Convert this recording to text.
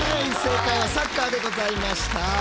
正解はサッカーでございました。